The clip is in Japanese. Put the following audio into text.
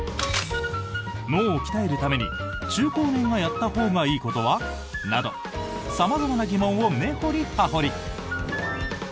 脳を鍛えるために中高年がやったほうがいいことは？など様々な疑問を根掘り葉掘り。